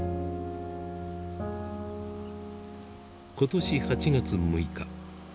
今年８月６日。